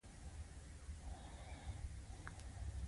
په اسمان کې تورې وریځې شته او باران کیږي